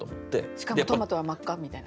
しかもトマトは真っ赤みたいな。